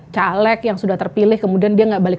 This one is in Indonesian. caleg yang sudah terpilih kemudian dia nggak balik